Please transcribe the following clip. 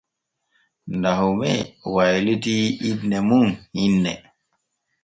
Dahome waylitii inne mum hinne.